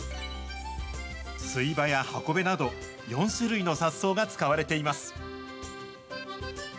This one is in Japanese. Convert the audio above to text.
スイバやハコベなど、４種類の雑草が使われています。